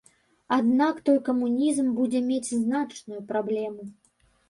Аднак той камунізм будзе мець значную праблему.